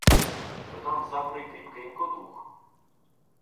То там запри кріпкенько дух.